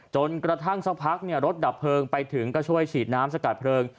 จนกระทั่งสักพักรถดับเพลิงไปถึงก็ช่วยฉีดน้ำสกัดเพลิง